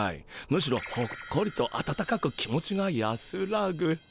むしろほっこりとあたたかく気持ちが安らぐ。